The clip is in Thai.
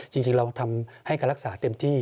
จริงเราทำให้การรักษาเต็มที่